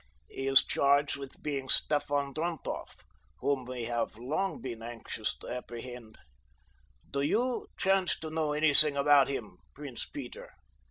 He is charged with being Stefan Drontoff, whom we long have been anxious to apprehend. Do you chance to know anything about him, Prince Peter?"